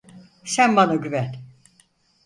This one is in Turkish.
Sen bana güven.